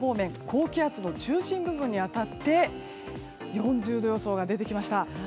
高気圧の中心部分に当たって４０度予想が出てきました。